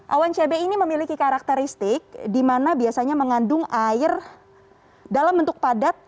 awan cb ini memiliki karakteristik di mana biasanya mengandung air dalam bentuk padat